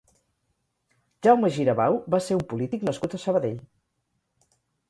Jaume Girabau va ser un polític nascut a Sabadell.